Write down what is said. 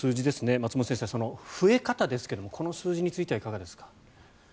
松本先生、増え方ですがこの数字についてはいかがですか。